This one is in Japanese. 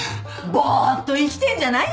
ボーッと生きてんじゃないよ